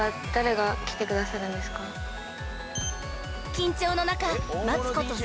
［緊張の中待つこと数分］